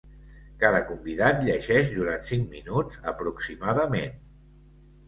Cada convidat llegeix durant cinc minuts aproximadament.